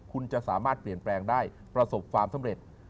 คุณจะสามารถเปลี่ยนแปลงได้ประสบความสำเร็จ